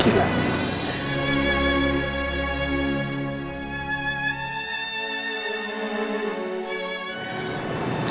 kamu itu gak gila